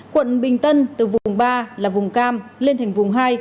quận bình tân từ vùng ba là vùng cam lên thành vùng hai